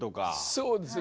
そうですね。